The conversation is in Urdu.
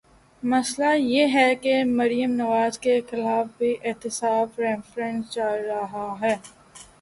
مسئلہ یہ ہے کہ مریم نواز کے خلاف بھی احتساب ریفرنس چل رہا ہے۔